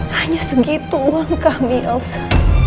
hanya segitu uang kami osa